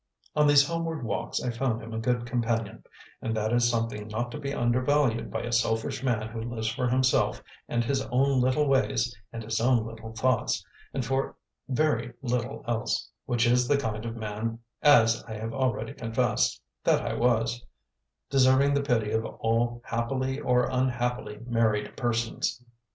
On these homeward walks I found him a good companion, and that is something not to be under valued by a selfish man who lives for himself and his own little ways and his own little thoughts, and for very little else, which is the kind of man (as I have already confessed) that I was deserving the pity of all happily or unhappily married persons.